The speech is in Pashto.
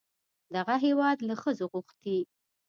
دغه هېواد له ښځو غوښتي